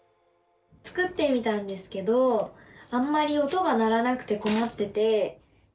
作ってみたんですけどあんまり音が鳴らなくてこまってて。